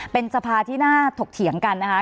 เป็นสภาที่น่าถกเถียงกันนะคะ